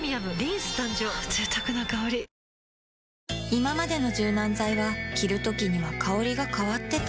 いままでの柔軟剤は着るときには香りが変わってた